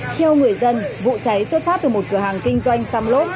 theo người dân vụ cháy tuyết phát từ một cửa hàng kinh doanh tăm lốt